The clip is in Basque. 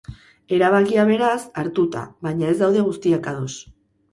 Erabakia, beraz hartuta baina, ez daude guztiak ados.